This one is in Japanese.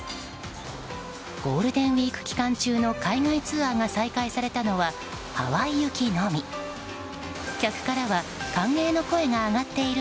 ゴールデンウィーク期間中の海外ツアーが再開されたのはハワイ行きのみ。